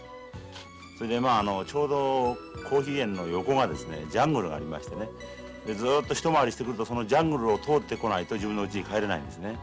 それでまあちょうどコーヒー園の横がジャングルがありましてねずっと一回りしてくるとそのジャングルを通ってこないと自分のうちに帰れないんですね。